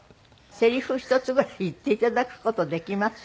セリフ一つぐらい言って頂く事できます？